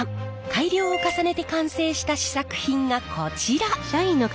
改良を重ねて完成した試作品がこちら！